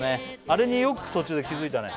あれによく途中で気づいたね